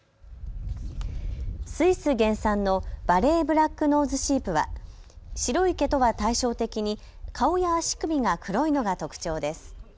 スイス原産のヴァレーブラックノーズシープは白い毛とは対照的に顔や足首が黒いのが特徴です。